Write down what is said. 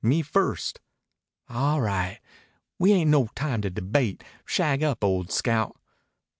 Me first." "All right. We ain't no time to debate. Shag up, old scout."